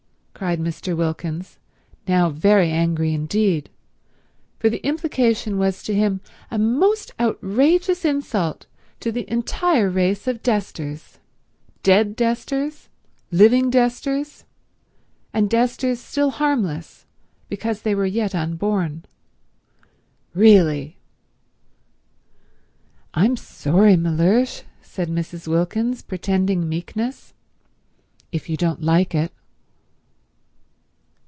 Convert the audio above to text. cried Mr. Wilkins, now very angry indeed; for the implication was to him a most outrageous insult to the entire race of Desters—dead Desters, living Desters, and Desters still harmless because they were yet unborn. "Really—" "I'm sorry, Mellersh," said Mrs. Wilkins, pretending meekness, "if you don't like it."